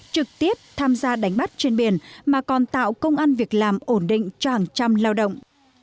trực tiếp tham gia đánh bắt trên biển mà còn tạo công an việc làm ổn định cho hàng trăm lao động